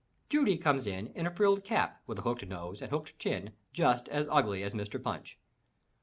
Judy comes in in a frilled cap with a hooked nose and hooked chin, just as ugly as Mr. Punch.